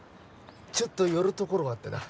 ちょっと寄る所があってな。